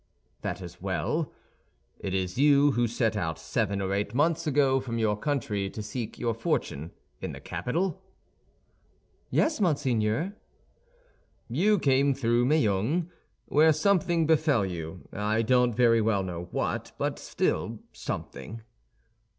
"That is well. It is you who set out seven or eight months ago from your country to seek your fortune in the capital?" "Yes, monseigneur." "You came through Meung, where something befell you. I don't very well know what, but still something."